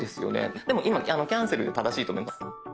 でも今キャンセルで正しいと思います。